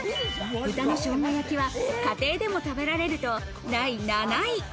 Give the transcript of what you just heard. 豚の生姜焼きは家庭でも食べられると第７位。